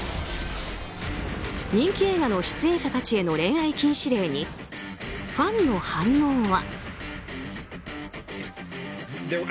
人気映画の出演者たちへの恋愛禁止令にファンの反応は。